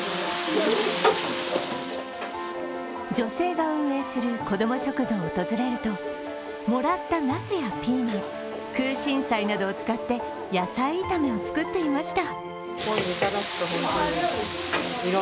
女性が運営する子ども食堂を訪れるともらったナスやピーマン空心菜などを使って野菜炒めを作っていました。